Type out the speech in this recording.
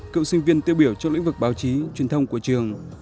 cựu sinh viên tiêu biểu trong lĩnh vực báo chí truyền thông của trường